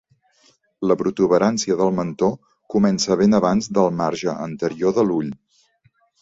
La protuberància del mentó comença ben abans del marge anterior de l'ull.